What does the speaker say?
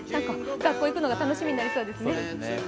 学校に行くのが楽しみになりそうですね。